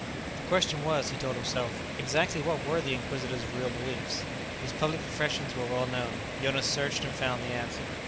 The question was, he told himself, exactly what were the Inquisitor's real beliefs? His public professions were well known; Jonas searched and found the answer.